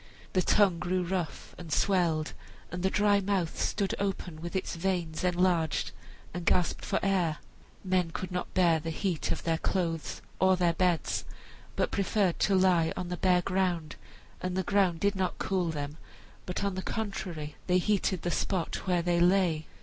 The tongue grew rough and swelled, and the dry mouth stood open with its veins enlarged and gasped for the air. Men could not bear the heat of their clothes or their beds, but preferred to lie on the bare ground; and the ground did not cool them, but, on the contrary, they heated the spot where they lay.